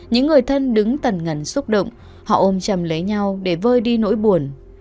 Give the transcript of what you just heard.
những người thân đứng tần ngần xúc động họ ôm trầm lấy nhau để vơi đi nỗi buồn